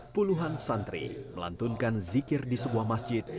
puluhan santri melantunkan zikir di sebuah masjid